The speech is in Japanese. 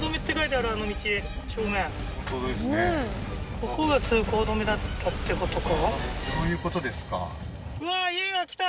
ここが通行止めだったってことか？